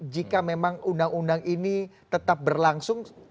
jika memang undang undang ini tetap berlangsung